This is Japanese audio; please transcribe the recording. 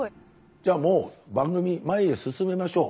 じゃあもう番組前へ進めましょう。